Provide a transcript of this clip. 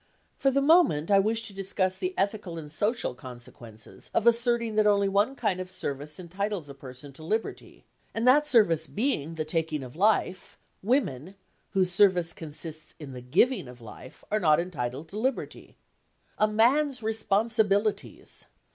For the moment I wish to discuss the ethical and social consequences of asserting that only one kind of service entitles a person to liberty, and that service being the taking of life, women, whose service consists in the giving of life, are not entitled to liberty. "A man's responsibilities!"